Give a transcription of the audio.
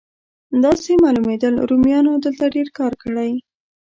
داسې معلومېدل رومیانو دلته ډېر کار کړی.